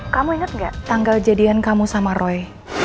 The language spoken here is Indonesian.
kamu ingat gak tanggal jadian kamu sama roy